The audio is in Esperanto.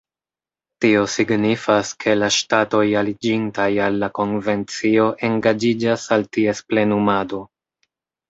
Tio signifas, ke la ŝtatoj aliĝintaj al la konvencio engaĝiĝas al ties plenumado.